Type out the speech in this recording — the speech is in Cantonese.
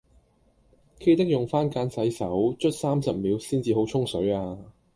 記得用番梘洗手，捽三十秒先至好沖水呀